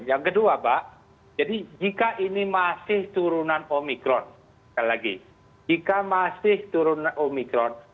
yang kedua pak jadi jika ini masih turunan omikron sekali lagi jika masih turun omikron